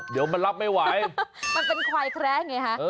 เดี๋ยวมันรับไม่ไหวมันเป็นควายแคระไงฮะ